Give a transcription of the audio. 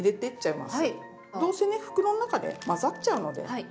どうせね袋の中で混ざっちゃうので。